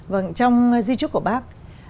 vâng trong di trúc của bác